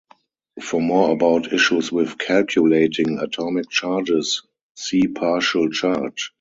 For more about issues with calculating atomic charges, see partial charge.